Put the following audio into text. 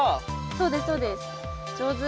そうですそうです上手。